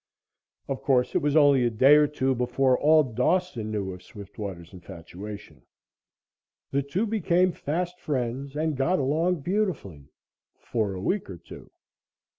Of course, it was only a day or two before all Dawson knew of Swiftwater's infatuation. The two became fast friends and got along beautifully for a week or two.